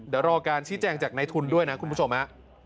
เดี๋ยวรอการชี้แจงจากในทุนด้วยนะคุณผู้ชมฮะ